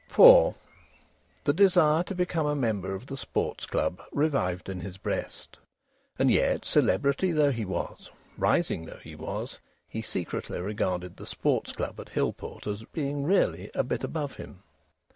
IV The desire to become a member of the Sports Club revived in his breast. And yet, celebrity though he was, rising though he was, he secretly regarded the Sports Club at Hillport as being really a bit above him.